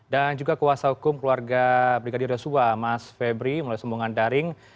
dan juga kuasa hukum keluarga brigadir resua mas febri melayu sumbungan daring